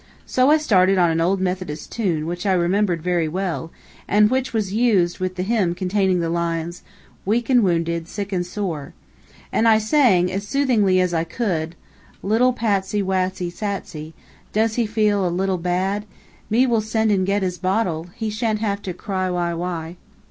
So I started on an old Methodist tune, which I remembered very well, and which was used with the hymn containing the lines: "Weak and wounded, sick and sore," and I sang, as soothingly as I could: "Lit tle Pat sy, Wat sy, Sat sy, Does he feel a lit ty bad? Me will send and get his bot tle He sha'n't have to cry wy wy."